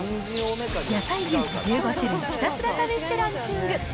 野菜ジュース１５種類ひたすら試してランキング。